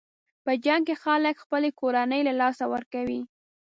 په جنګ کې خلک خپلې کورنۍ له لاسه ورکوي.